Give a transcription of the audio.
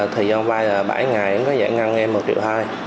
thì do vay là bảy ngày ổng có giải ngăn em một triệu hai